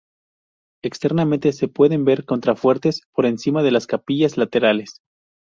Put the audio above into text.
Externamente se pueden ver contrafuertes por encima de las capillas laterales.